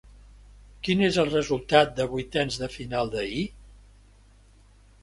Quin és el resultat de vuitens de final d'ahir?